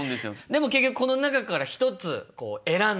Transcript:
でも結局この中から一つ選んでいる。